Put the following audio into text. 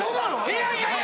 いやいやいや。